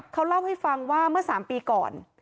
เขาเล่าให้ฟังว่าเมื่อ๓ปีก่อน